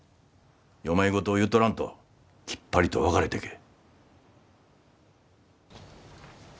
世まい言を言うとらんときっぱりと別れてけえ。